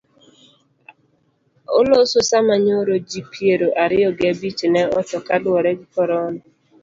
Oloso sama nyoro ji piero ariyo gi abich ne otho kaluwore gi korona.